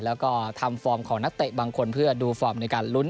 แล้วทำฟอร์มของนักเตะบางคน